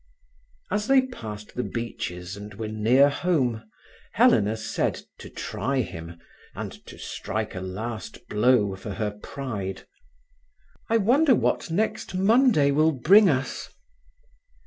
As they passed the beeches and were near home, Helena said, to try him, and to strike a last blow for her pride: "I wonder what next Monday will bring us."